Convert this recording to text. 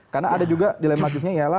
karena ada juga dilema giznya